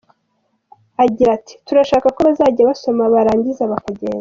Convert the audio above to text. Agira ati “Turashaka ko bazajya basoma barangiza bakagenda.